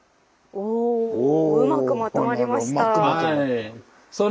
おうまくまとまりました。